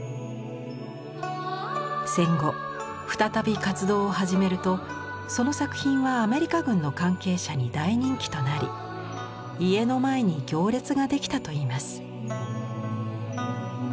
戦後再び活動を始めるとその作品はアメリカ軍の関係者に大人気となり家の前に行列ができたといいます。